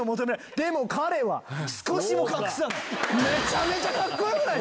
でも彼は、少しも隠さない。